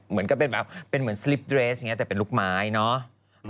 เหมือนกับเป็นแบบเป็นเหมือนสลิปเดรสอย่างนี้แต่เป็นลูกไม้เนาะ